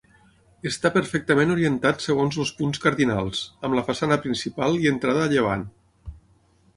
Està perfectament orientat segons els punts cardinals, amb la façana principal i entrada a llevant.